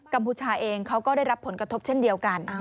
พูชาเองเขาก็ได้รับผลกระทบเช่นเดียวกัน